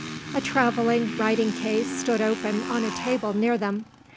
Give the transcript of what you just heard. A travelling writing case stood open on a table near them.